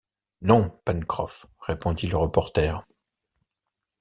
Non, Pencroff, répondit le reporter